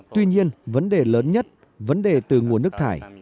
tuy nhiên vấn đề lớn nhất vấn đề từ nguồn nước thải